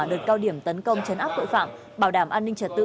đợt cao điểm tấn công chấn áp tội phạm bảo đảm an ninh trật tự